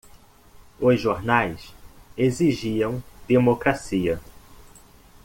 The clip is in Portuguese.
Os jornais exigiam democracia.